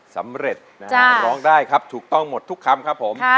สำเร็จนะฮะร้องได้ครับถูกต้องหมดทุกคำครับผม